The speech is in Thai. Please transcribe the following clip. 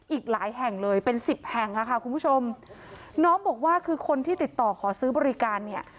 อีกหลายแห่งเลยเป็นสิบแห่งค่ะคุณผู้ชมน้องบอกว่าคือคนที่ติดต่อขอซื้อบริการเนี่ย